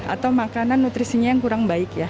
atau makanan nutrisinya yang kurang baik ya